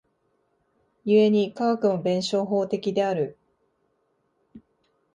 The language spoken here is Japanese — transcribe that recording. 故に科学も弁証法的である。